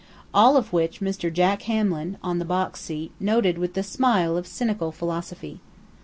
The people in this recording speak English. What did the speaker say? All of which Mr. Jack Hamlin, on the box seat, noted with the smile of cynical philosophy.